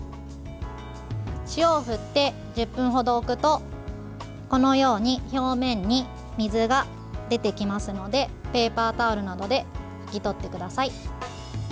塩を振って、１０分程置くとこのように表面に水が出てきますのでペーパータオルなどで拭き取ってください。